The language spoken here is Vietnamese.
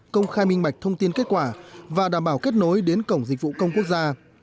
công khai minh mạch thông tin kết quả và đảm bảo kết nối đến cổng dịch vụ công quốc gia